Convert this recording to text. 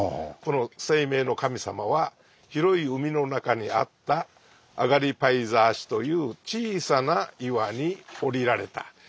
この清明の神様は広い海の中にあった『アガリ・パイザーシ』という小さな岩に降りられた。